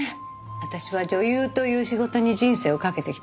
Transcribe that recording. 私は女優という仕事に人生をかけてきたでしょ？